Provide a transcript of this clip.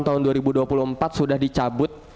tahun dua ribu dua puluh empat sudah dicabut